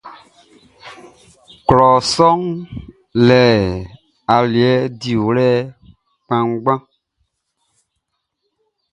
Klɔ sɔʼn le aliɛ diwlɛ kpanngban.